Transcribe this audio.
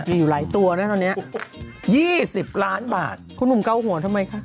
อยู่หลายตัวนะตอนเนี้ยหยี่สิบล้านบาทคุณนุ่มเก่าหัวทำไมคะ